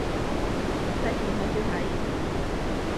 公仔片好少睇